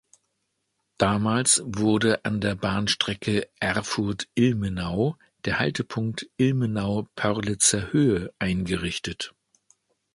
Damals wurde an der Bahnstrecke Erfurt–Ilmenau der Haltepunkt "Ilmenau-Pörlitzer Höhe" eingerichtet.